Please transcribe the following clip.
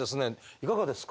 いかがですか？